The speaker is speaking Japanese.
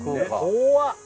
怖っ。